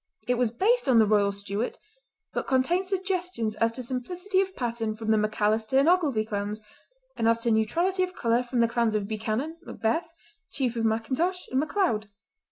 It was based on the Royal Stuart, but contained suggestions as to simplicity of pattern from the Macalister and Ogilvie clans, and as to neutrality of colour from the clans of Buchanan, Macbeth, Chief of Macintosh and Macleod.